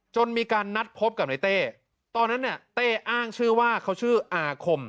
มีการนัดพบกับในเต้ตอนนั้นเนี่ยเต้อ้างชื่อว่าเขาชื่ออาคม